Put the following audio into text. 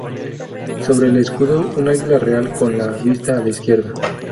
Sobre el escudo un águila real con la vista a la izquierda.